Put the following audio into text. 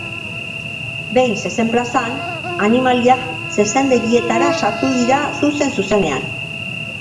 Behin, zezen plazan, animaliak zezendegietara sartu dira zuzen-zuzenean.